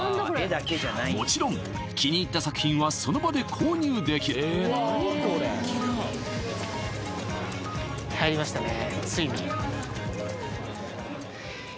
もちろん気に入った作品はその場で購入できる入りましたね